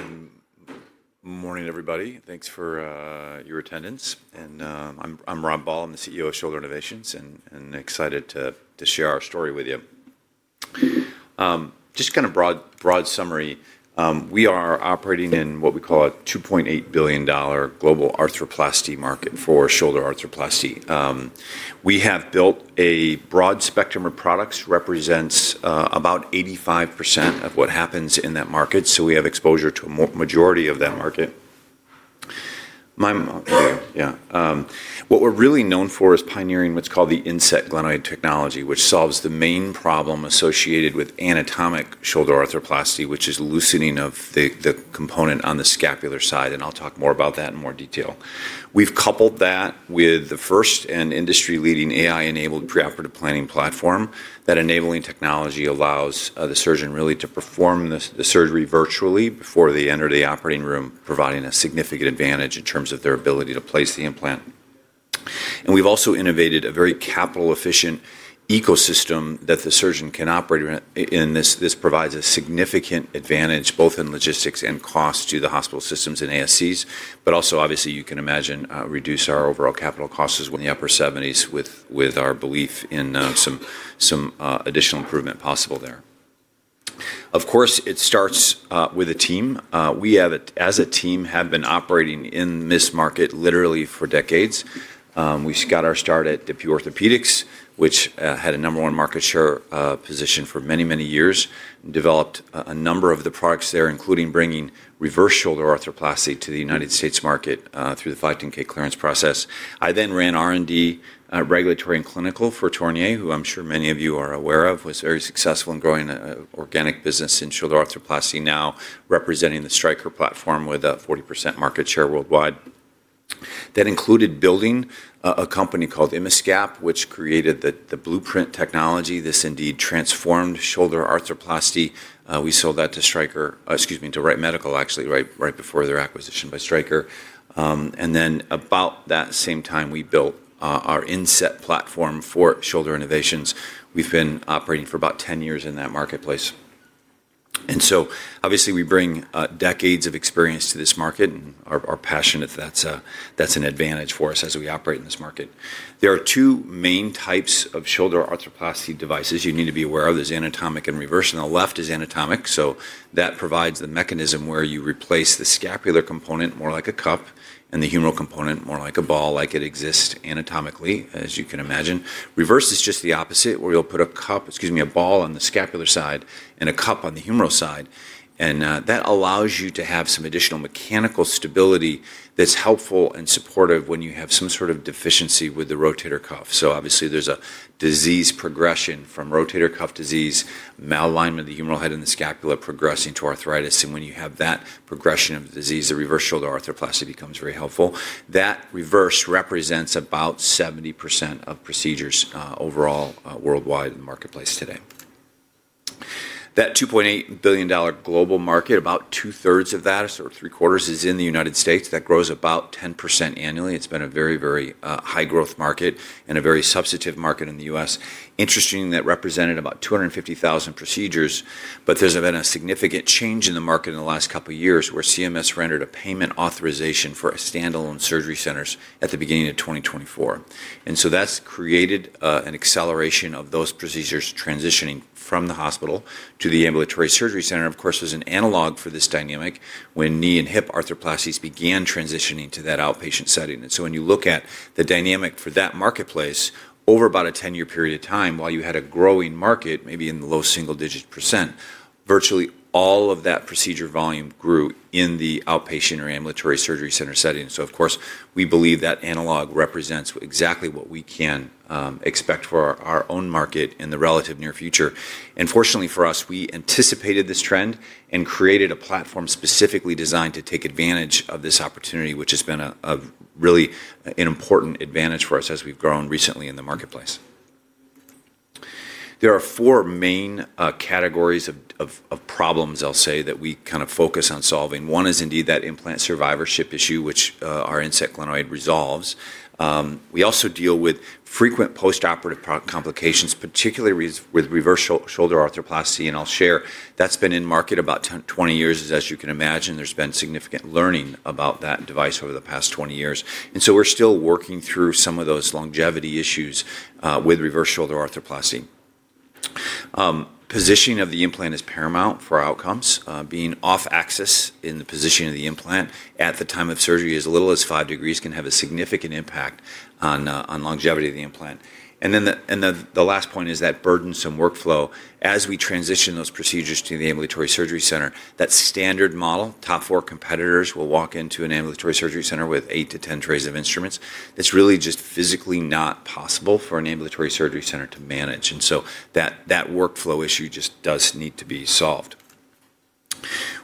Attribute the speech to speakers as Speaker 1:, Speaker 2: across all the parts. Speaker 1: Good morning, everybody. Thanks for your attendance. I'm Rob Ball. I'm the CEO of Shoulder Innovations, and excited to share our story with you. Just kind of broad summary, we are operating in what we call a $2.8 billion global arthroplasty market for shoulder arthroplasty. We have built a broad spectrum of products that represents about 85% of what happens in that market. We have exposure to a majority of that market. Yeah. What we're really known for is pioneering what's called the InSet Glenoid technology, which solves the main problem associated with anatomic shoulder arthroplasty, which is loosening of the component on the scapular side. I'll talk more about that in more detail. We've coupled that with the first and industry-leading AI-enabled preoperative planning platform. That enabling technology allows the surgeon really to perform the surgery virtually before they enter the operating room, providing a significant advantage in terms of their ability to place the implant. We have also innovated a very capital-efficient ecosystem that the surgeon can operate in. This provides a significant advantage both in logistics and cost to the hospital systems and ASCs, but also, obviously, you can imagine, reduce our overall capital costs in the upper 70s with our belief in some additional improvement possible there. Of course, it starts with a team. We, as a team, have been operating in this market literally for decades. We got our start at DePuy Orthopaedics, which had a number one market share position for many, many years, and developed a number of the products there, including bringing reverse shoulder arthroplasty to the United States market through the 510(k) clearance process. I then ran R&D, regulatory, and clinical for Tornier, who I'm sure many of you are aware of, was very successful in growing an organic business in shoulder arthroplasty, now representing the Stryker platform with a 40% market share worldwide. That included building a company called Immiscap, which created the Blueprint technology. This indeed transformed shoulder arthroplasty. We sold that to Wright Medical, actually, right before their acquisition by Stryker. About that same time, we built our InSet platform for Shoulder Innovations. We've been operating for about 10 years in that marketplace. Obviously, we bring decades of experience to this market, and our passion, that's an advantage for us as we operate in this market. There are two main types of shoulder arthroplasty devices you need to be aware of. There's anatomic and reverse. The left is anatomic. That provides the mechanism where you replace the scapular component, more like a cup, and the humeral component, more like a ball, like it exists anatomically, as you can imagine. Reverse is just the opposite, where you'll put a ball on the scapular side and a cup on the humeral side. That allows you to have some additional mechanical stability that's helpful and supportive when you have some sort of deficiency with the rotator cuff. Obviously, there's a disease progression from rotator cuff disease, malalignment of the humeral head and the scapula progressing to arthritis. When you have that progression of disease, the reverse shoulder arthroplasty becomes very helpful. That reverse represents about 70% of procedures overall worldwide in the marketplace today. That $2.8 billion global market, about two-thirds of that, or three-quarters, is in the United States. That grows about 10% annually. It's been a very, very high-growth market and a very substantive market in the US. Interestingly, that represented about 250,000 procedures, but there's been a significant change in the market in the last couple of years where CMS rendered a payment authorization for standalone surgery centers at the beginning of 2024. That has created an acceleration of those procedures transitioning from the hospital to the ambulatory surgery center. Of course, there's an analog for this dynamic when knee and hip arthroplasties began transitioning to that outpatient setting. When you look at the dynamic for that marketplace over about a 10-year period of time, while you had a growing market, maybe in the low single-digit %, virtually all of that procedure volume grew in the outpatient or ambulatory surgery center setting. Of course, we believe that analog represents exactly what we can expect for our own market in the relative near future. Fortunately for us, we anticipated this trend and created a platform specifically designed to take advantage of this opportunity, which has been really an important advantage for us as we've grown recently in the marketplace. There are four main categories of problems, I'll say, that we kind of focus on solving. One is indeed that implant survivorship issue, which our InSet Glenoid resolves. We also deal with frequent postoperative complications, particularly with reverse shoulder arthroplasty. I'll share that's been in market about 20 years. As you can imagine, there's been significant learning about that device over the past 20 years. We are still working through some of those longevity issues with reverse shoulder arthroplasty. Positioning of the implant is paramount for outcomes. Being off-axis in the position of the implant at the time of surgery as little as five degrees can have a significant impact on longevity of the implant. The last point is that burdensome workflow. As we transition those procedures to the ambulatory surgery center, that standard model, top four competitors will walk into an ambulatory surgery center with 8-10 trays of instruments. That is really just physically not possible for an ambulatory surgery center to manage. That workflow issue just does need to be solved.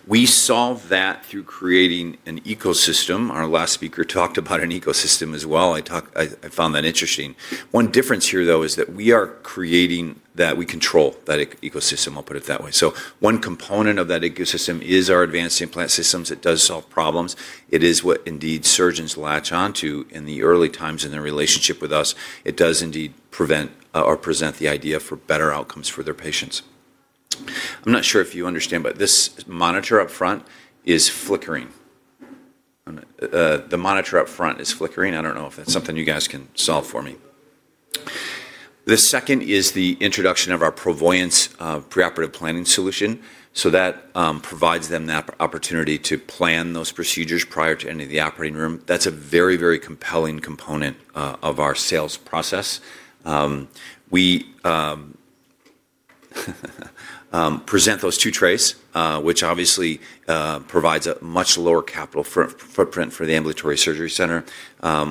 Speaker 1: We solve that through creating an ecosystem. Our last speaker talked about an ecosystem as well. I found that interesting. One difference here, though, is that we are creating that we control that ecosystem. I'll put it that way. One component of that ecosystem is our advanced implant systems. It does solve problems. It is what indeed surgeons latch onto in the early times in their relationship with us. It does indeed prevent or present the idea for better outcomes for their patients. I'm not sure if you understand, but this monitor up front is flickering. The monitor up front is flickering. I don't know if that's something you guys can solve for me. The second is the introduction of our ProVoyance preoperative planning solution. That provides them that opportunity to plan those procedures prior to entering the operating room. That's a very, very compelling component of our sales process. We present those two trays, which obviously provides a much lower capital footprint for the ambulatory surgery center.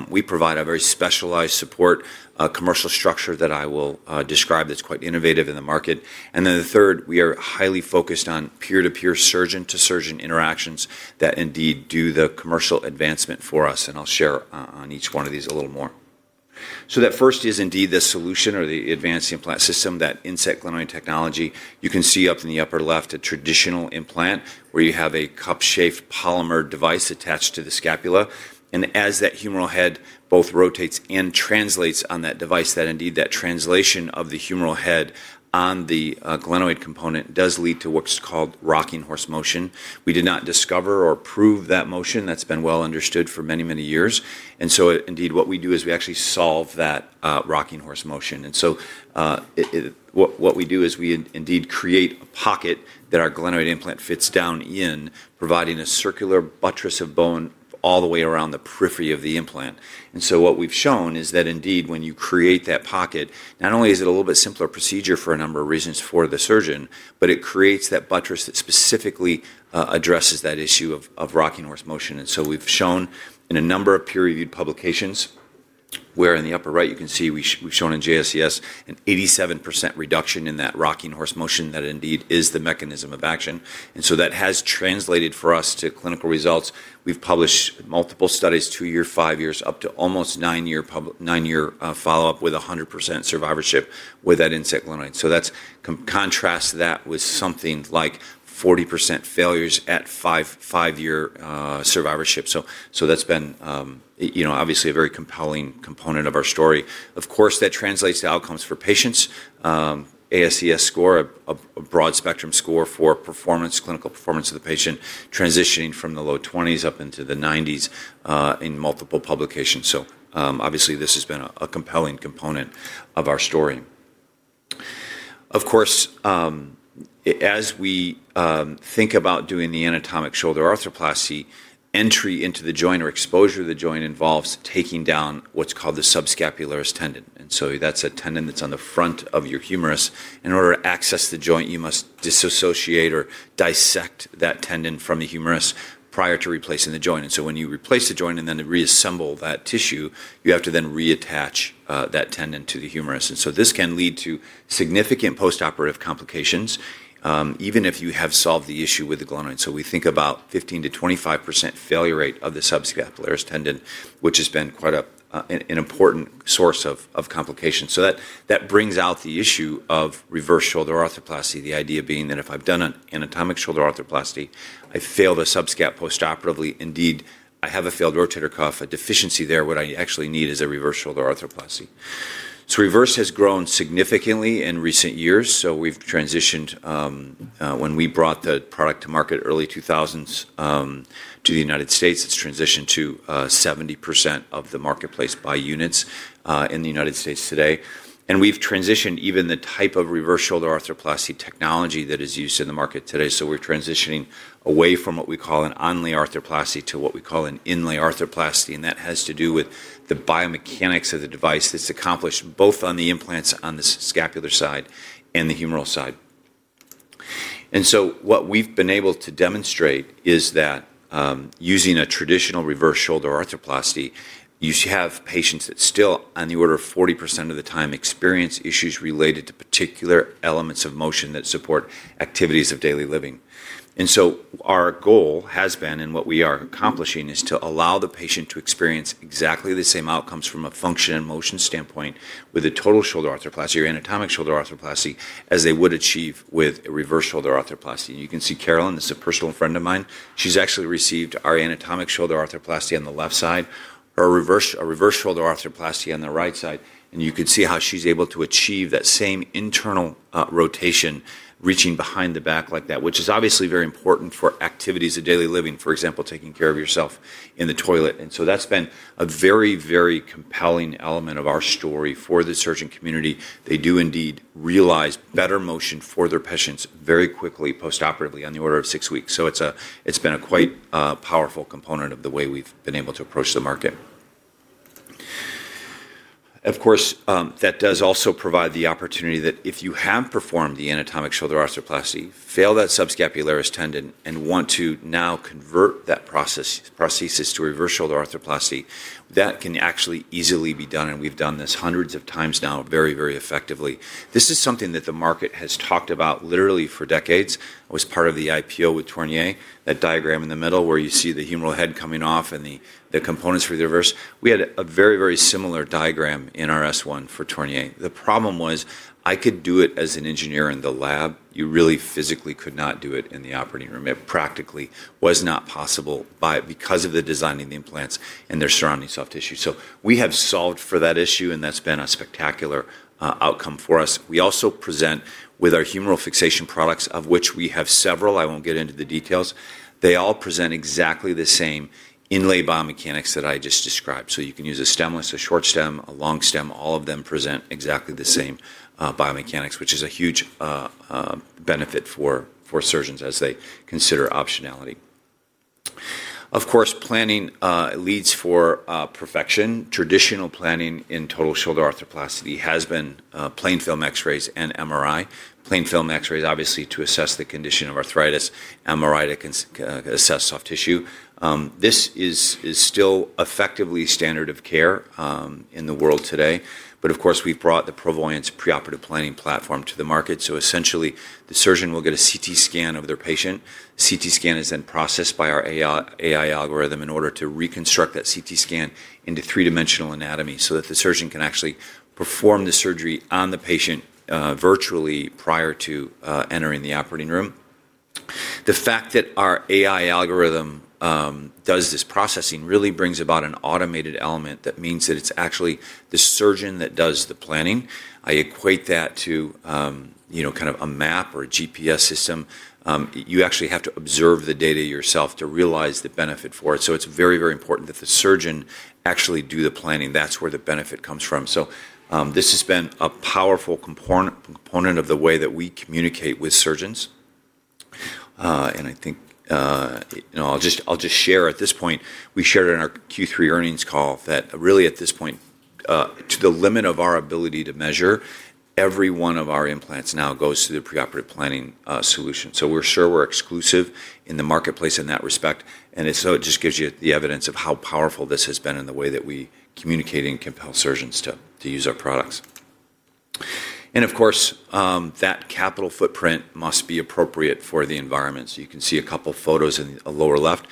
Speaker 1: We provide a very specialized support commercial structure that I will describe that's quite innovative in the market. The third, we are highly focused on peer-to-peer, surgeon-to-surgeon interactions that indeed do the commercial advancement for us. I'll share on each one of these a little more. That first is indeed the solution or the advanced implant system, that InSet Glenoid technology. You can see up in the upper left a traditional implant where you have a cup-shaped polymer device attached to the scapula. As that humeral head both rotates and translates on that device, that translation of the humeral head on the glenoid component does lead to what's called rocking horse motion. We did not discover or prove that motion. That's been well understood for many, many years. Indeed, what we do is we actually solve that rocking horse motion. What we do is we indeed create a pocket that our glenoid implant fits down in, providing a circular buttress of bone all the way around the periphery of the implant. What we've shown is that indeed when you create that pocket, not only is it a little bit simpler procedure for a number of reasons for the surgeon, but it creates that buttress that specifically addresses that issue of rocking horse motion. We've shown in a number of peer-reviewed publications where in the upper right you can see we've shown in JSES an 87% reduction in that rocking horse motion that indeed is the mechanism of action. That has translated for us to clinical results. We've published multiple studies, two years, five years, up to almost nine-year follow-up with 100% survivorship with that InSet Glenoid. That's contrast that with something like 40% failures at five-year survivorship. That's been obviously a very compelling component of our story. Of course, that translates to outcomes for patients. ASES score, a broad spectrum score for performance, clinical performance of the patient, transitioning from the low 20s up into the 90s in multiple publications. Obviously, this has been a compelling component of our story. Of course, as we think about doing the anatomic shoulder arthroplasty, entry into the joint or exposure of the joint involves taking down what's called the subscapularis tendon. That's a tendon that's on the front of your humerus. In order to access the joint, you must disassociate or dissect that tendon from the humerus prior to replacing the joint. When you replace the joint and then reassemble that tissue, you have to then reattach that tendon to the humerus. This can lead to significant postoperative complications, even if you have solved the issue with the glenoid. We think about a 15-25% failure rate of the subscapularis tendon, which has been quite an important source of complication. That brings out the issue of reverse shoulder arthroplasty, the idea being that if I have done an anatomic shoulder arthroplasty, I fail the subscap postoperatively. Indeed, I have a failed rotator cuff, a deficiency there. What I actually need is a reverse shoulder arthroplasty. Reverse has grown significantly in recent years. We transitioned when we brought the product to market, early 2000s, to the United States. It has transitioned to 70% of the marketplace by units in the United States today. We have transitioned even the type of reverse shoulder arthroplasty technology that is used in the market today. We're transitioning away from what we call an onlay arthroplasty to what we call an inlay arthroplasty. That has to do with the biomechanics of the device that's accomplished both on the implants on the scapular side and the humeral side. What we've been able to demonstrate is that using a traditional reverse shoulder arthroplasty, you have patients that still, on the order of 40% of the time, experience issues related to particular elements of motion that support activities of daily living. Our goal has been, and what we are accomplishing is to allow the patient to experience exactly the same outcomes from a function and motion standpoint with a total shoulder arthroplasty or anatomic shoulder arthroplasty as they would achieve with a reverse shoulder arthroplasty. You can see Carolyn, this is a personal friend of mine. She's actually received our anatomic shoulder arthroplasty on the left side, a reverse shoulder arthroplasty on the right side. You could see how she's able to achieve that same internal rotation, reaching behind the back like that, which is obviously very important for activities of daily living, for example, taking care of yourself in the toilet. That's been a very, very compelling element of our story for the surgeon community. They do indeed realize better motion for their patients very quickly postoperatively, on the order of six weeks. It's been a quite powerful component of the way we've been able to approach the market. Of course, that does also provide the opportunity that if you have performed the anatomic shoulder arthroplasty, fail that subscapularis tendon, and want to now convert that prosthesis to reverse shoulder arthroplasty, that can actually easily be done. We have done this hundreds of times now, very, very effectively. This is something that the market has talked about literally for decades. I was part of the IPO with Tornier, that diagram in the middle where you see the humeral head coming off and the components for the reverse. We had a very, very similar diagram in our S1 for Tornier. The problem was I could do it as an engineer in the lab. You really physically could not do it in the operating room. It practically was not possible because of the design of the implants and their surrounding soft tissue. We have solved for that issue, and that has been a spectacular outcome for us. We also present with our humeral fixation products, of which we have several. I will not get into the details. They all present exactly the same inlay biomechanics that I just described. You can use a stemless, a short stem, a long stem. All of them present exactly the same biomechanics, which is a huge benefit for surgeons as they consider optionality. Of course, planning leads for perfection. Traditional planning in total shoulder arthroplasty has been plain film X-rays and MRI. Plain film X-rays, obviously, to assess the condition of arthritis, MRI to assess soft tissue. This is still effectively standard of care in the world today. Of course, we have brought the ProVoyance preoperative planning platform to the market. Essentially, the surgeon will get a CT scan of their patient. CT scan is then processed by our AI algorithm in order to reconstruct that CT scan into three-dimensional anatomy so that the surgeon can actually perform the surgery on the patient virtually prior to entering the operating room. The fact that our AI algorithm does this processing really brings about an automated element that means that it's actually the surgeon that does the planning. I equate that to kind of a map or a GPS system. You actually have to observe the data yourself to realize the benefit for it. It is very, very important that the surgeon actually do the planning. That's where the benefit comes from. This has been a powerful component of the way that we communicate with surgeons. I think I'll just share at this point, we shared in our Q3 earnings call that really at this point, to the limit of our ability to measure, every one of our implants now goes through the preoperative planning solution. We are sure we are exclusive in the marketplace in that respect. It just gives you the evidence of how powerful this has been in the way that we communicate and compel surgeons to use our products. Of course, that capital footprint must be appropriate for the environment. You can see a couple of photos in the lower left.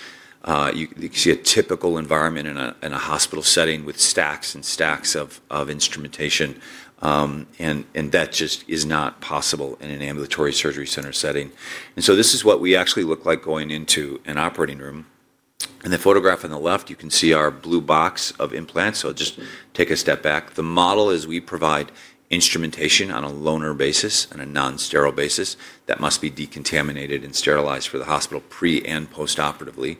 Speaker 1: You can see a typical environment in a hospital setting with stacks and stacks of instrumentation. That just is not possible in an ambulatory surgery center setting. This is what we actually look like going into an operating room. In the photograph on the left, you can see our blue box of implants. I'll just take a step back. The model is we provide instrumentation on a loaner basis, on a non-sterile basis. That must be decontaminated and sterilized for the hospital pre and postoperatively.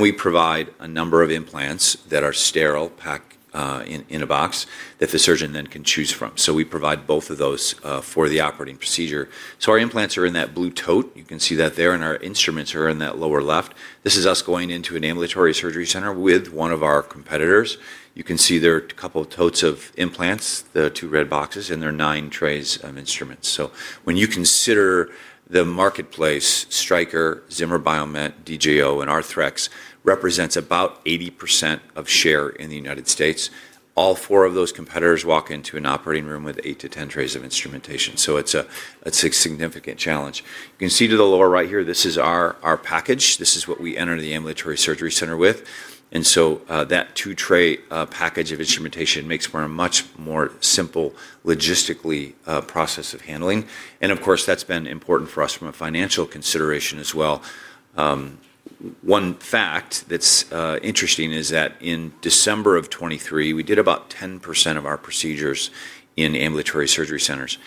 Speaker 1: We provide a number of implants that are sterile packed in a box that the surgeon then can choose from. We provide both of those for the operating procedure. Our implants are in that blue tote. You can see that there. Our instruments are in that lower left. This is us going into an ambulatory surgery center with one of our competitors. You can see there are a couple of totes of implants, the two red boxes, and there are nine trays of instruments. When you consider the marketplace, Stryker, Zimmer Biomet, DJO, and Arthrex represent about 80% of share in the United States. All four of those competitors walk into an operating room with 8-10 trays of instrumentation. It is a significant challenge. You can see to the lower right here, this is our package. This is what we enter the ambulatory surgery center with. That two-tray package of instrumentation makes for a much more simple logistical process of handling. Of course, that's been important for us from a financial consideration as well. One fact that's interesting is that in December of 2023, we did about 10% of our procedures in ambulatory surgery centers.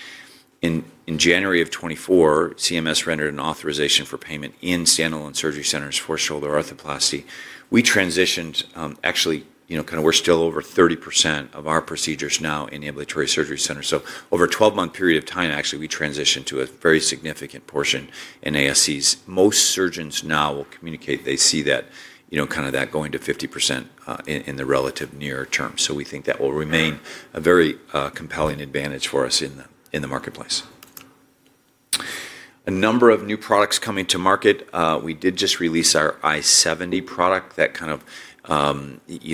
Speaker 1: In January of 2024, CMS rendered an authorization for payment in standalone surgery centers for shoulder arthroplasty. We transitioned, actually kind of, we're still over 30% of our procedures now in ambulatory surgery centers. Over a 12-month period of time, actually, we transitioned to a very significant portion in ASCs. Most surgeons now will communicate they see that going to 50% in the relative near term. We think that will remain a very compelling advantage for us in the marketplace. A number of new products coming to market. We did just release our i70 product that kind of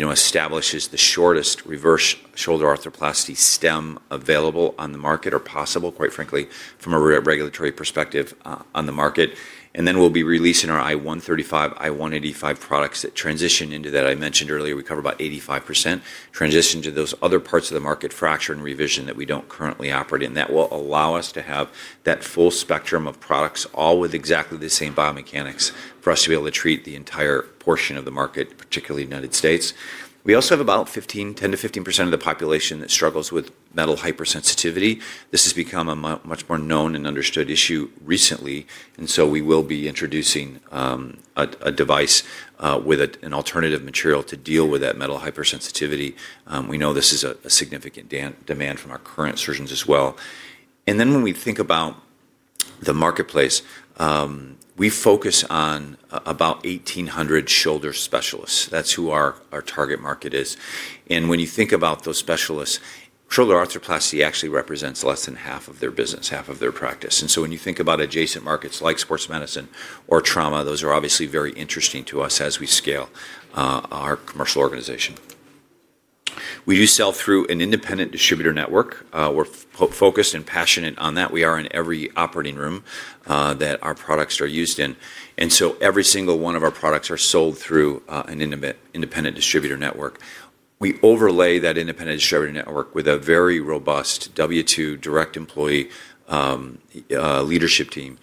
Speaker 1: establishes the shortest reverse shoulder arthroplasty stem available on the market or possible, quite frankly, from a regulatory perspective on the market. We will be releasing our i135, i185 products that transition into that I mentioned earlier. We cover about 85%, transition to those other parts of the market, fracture and revision that we do not currently operate in. That will allow us to have that full spectrum of products all with exactly the same biomechanics for us to be able to treat the entire portion of the market, particularly United States. We also have about 10-15% of the population that struggles with metal hypersensitivity. This has become a much more known and understood issue recently. We will be introducing a device with an alternative material to deal with that metal hypersensitivity. We know this is a significant demand from our current surgeons as well. When we think about the marketplace, we focus on about 1,800 shoulder specialists. That is who our target market is. When you think about those specialists, shoulder arthroplasty actually represents less than half of their business, half of their practice. When you think about adjacent markets like sports medicine or trauma, those are obviously very interesting to us as we scale our commercial organization. We do sell through an independent distributor network. We are focused and passionate on that. We are in every operating room that our products are used in. Every single one of our products is sold through an independent distributor network. We overlay that independent distributor network with a very robust W-2 direct employee leadership team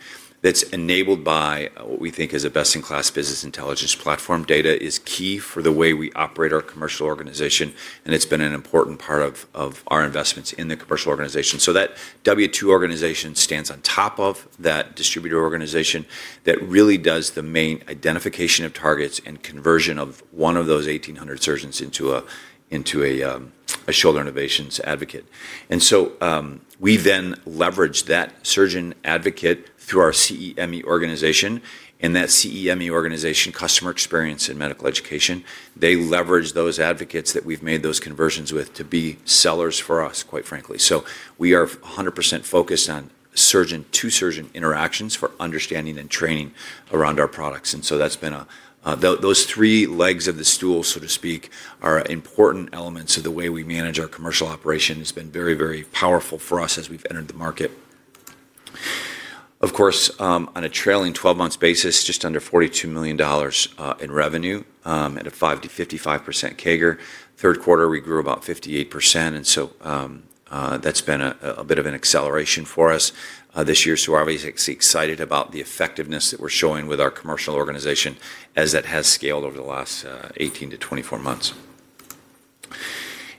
Speaker 1: that's enabled by what we think is a best-in-class business intelligence platform. Data is key for the way we operate our commercial organization. It has been an important part of our investments in the commercial organization. That W-2 organization stands on top of that distributor organization that really does the main identification of targets and conversion of one of those 1,800 surgeons into a Shoulder Innovations advocate. We then leverage that surgeon advocate through our CEME organization. That CEME organization, customer experience and medical education, leverages those advocates that we've made those conversions with to be sellers for us, quite frankly. We are 100% focused on surgeon-to-surgeon interactions for understanding and training around our products. That's been a those three legs of the stool, so to speak, are important elements of the way we manage our commercial operation. It's been very, very powerful for us as we've entered the market. Of course, on a trailing 12-month basis, just under $42 million in revenue at a 5-55% CAGR. Third quarter, we grew about 58%. That's been a bit of an acceleration for us this year. We're obviously excited about the effectiveness that we're showing with our commercial organization as that has scaled over the last 18-24 months.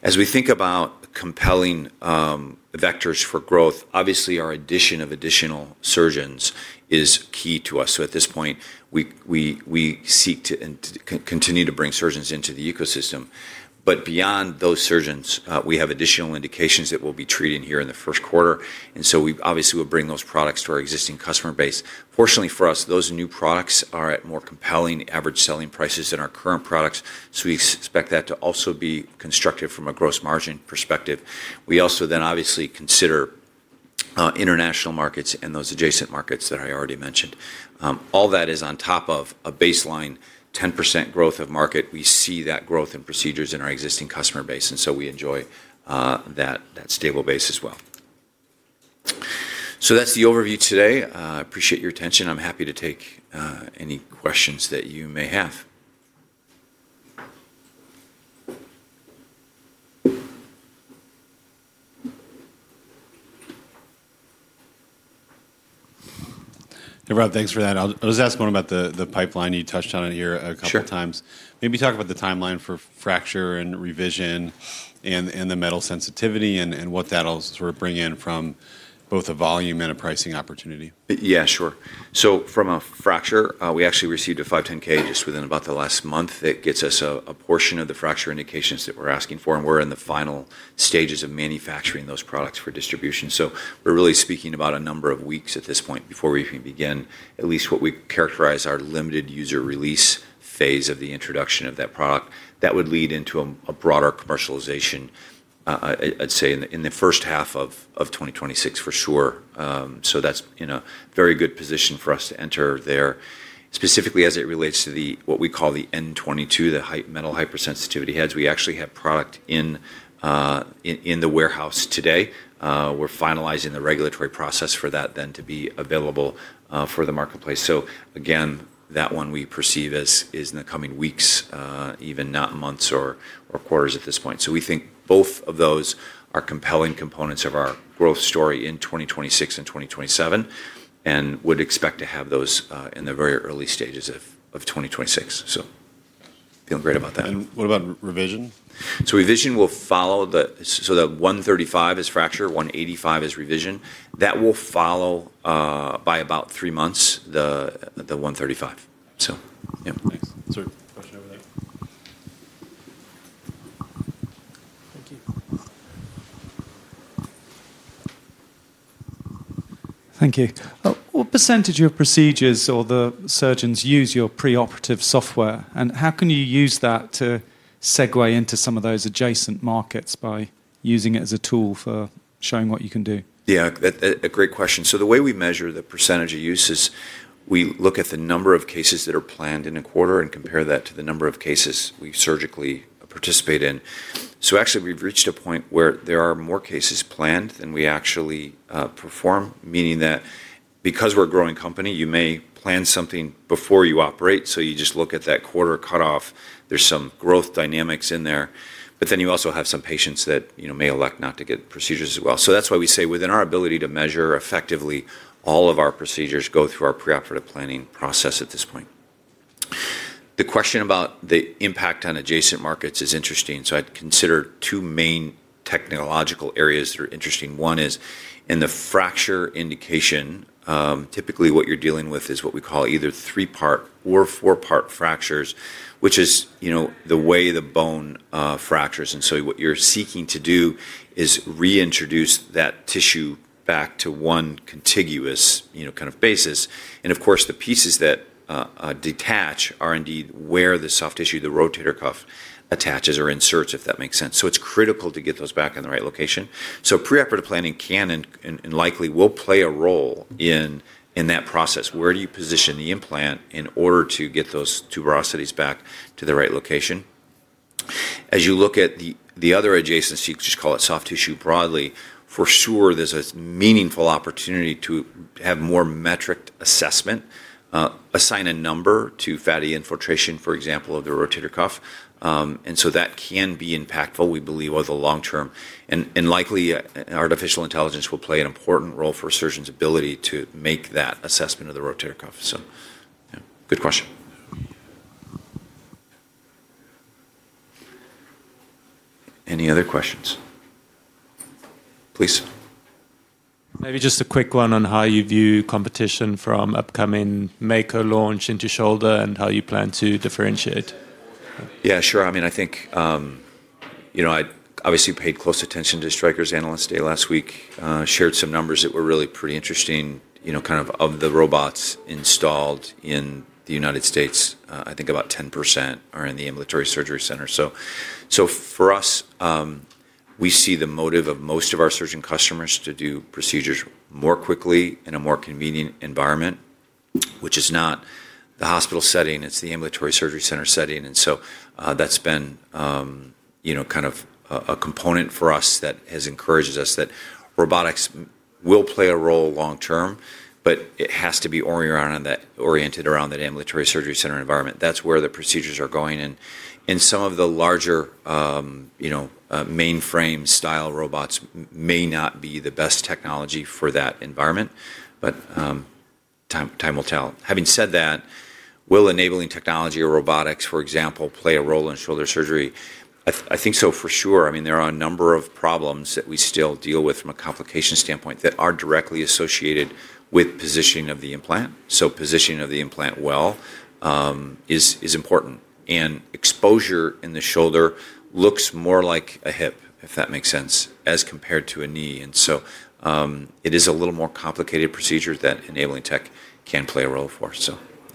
Speaker 1: As we think about compelling vectors for growth, obviously, our addition of additional surgeons is key to us. At this point, we seek to continue to bring surgeons into the ecosystem. Beyond those surgeons, we have additional indications that we'll be treating here in the first quarter. We obviously will bring those products to our existing customer base. Fortunately for us, those new products are at more compelling average selling prices than our current products. We expect that to also be constructive from a gross margin perspective. We also then obviously consider international markets and those adjacent markets that I already mentioned. All that is on top of a baseline 10% growth of market. We see that growth in procedures in our existing customer base. We enjoy that stable base as well. That is the overview today. I appreciate your attention. I'm happy to take any questions that you may have.
Speaker 2: Hey, Rob, thanks for that. I was asking about the pipeline. You touched on it here a couple of times. Maybe talk about the timeline for fracture and revision and the metal sensitivity and what that'll sort of bring in from both a volume and a pricing opportunity.
Speaker 1: Yeah, sure. From a fracture, we actually received a 510(k) just within about the last month. That gets us a portion of the fracture indications that we're asking for. We are in the final stages of manufacturing those products for distribution. We are really speaking about a number of weeks at this point before we can begin, at least what we characterize as our limited user release phase of the introduction of that product. That would lead into a broader commercialization, I'd say, in the first half of 2026 for sure. That is in a very good position for us to enter there. Specifically, as it relates to what we call the N22, the metal hypersensitivity heads, we actually have product in the warehouse today. We're finalizing the regulatory process for that then to be available for the marketplace. Again, that one we perceive is in the coming weeks, even not months or quarters at this point. We think both of those are compelling components of our growth story in 2026 and 2027 and would expect to have those in the very early stages of 2026. Feeling great about that.
Speaker 2: What about revision?
Speaker 1: Revision will follow, so the 135 is fracture, 185 is revision. That will follow by about three months, the 135. Yeah.
Speaker 2: Thanks. Sir, question over there.
Speaker 3: Thank you. Thank you. What percentage of procedures or the surgeons use your preoperative software? How can you use that to segue into some of those adjacent markets by using it as a tool for showing what you can do?
Speaker 1: Yeah, a great question. The way we measure the % of use is we look at the number of cases that are planned in a quarter and compare that to the number of cases we surgically participate in. Actually, we've reached a point where there are more cases planned than we actually perform, meaning that because we're a growing company, you may plan something before you operate. You just look at that quarter cutoff. There are some growth dynamics in there. You also have some patients that may elect not to get procedures as well. That's why we say within our ability to measure effectively all of our procedures go through our preoperative planning process at this point. The question about the impact on adjacent markets is interesting. I'd consider two main technological areas that are interesting. One is in the fracture indication. Typically, what you're dealing with is what we call either three-part or four-part fractures, which is the way the bone fractures. What you're seeking to do is reintroduce that tissue back to one contiguous kind of basis. The pieces that detach are indeed where the soft tissue, the rotator cuff attaches or inserts, if that makes sense. It's critical to get those back in the right location. Preoperative planning can and likely will play a role in that process. Where do you position the implant in order to get those tuberosities back to the right location? As you look at the other adjacency, you could just call it soft tissue broadly. For sure, there's a meaningful opportunity to have more metric assessment, assign a number to fatty infiltration, for example, of the rotator cuff. That can be impactful, we believe, over the long term. Likely, artificial intelligence will play an important role for surgeons' ability to make that assessment of the rotator cuff. Yeah, good question. Any other questions? Please.
Speaker 3: Maybe just a quick one on how you view competition from upcoming Mako launch into shoulder and how you plan to differentiate.
Speaker 1: Yeah, sure. I mean, I think I obviously paid close attention to Stryker's analyst day last week, shared some numbers that were really pretty interesting, kind of of the robots installed in the United States. I think about 10% are in the ambulatory surgery center. For us, we see the motive of most of our surgeon customers to do procedures more quickly in a more convenient environment, which is not the hospital setting. It is the ambulatory surgery center setting. That has been kind of a component for us that has encouraged us that robotics will play a role long term, but it has to be oriented around that ambulatory surgery center environment. That is where the procedures are going. Some of the larger mainframe-style robots may not be the best technology for that environment, but time will tell. Having said that, will enabling technology or robotics, for example, play a role in shoulder surgery? I think so for sure. I mean, there are a number of problems that we still deal with from a complication standpoint that are directly associated with positioning of the implant. Positioning of the implant well is important. Exposure in the shoulder looks more like a hip, if that makes sense, as compared to a knee. It is a little more complicated procedure that enabling tech can play a role for.